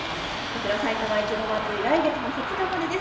埼玉いちごまつり、来月２日までです。